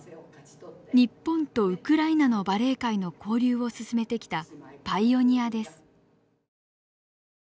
日本とウクライナのバレエ界の交流を進めてきたパイオニアです。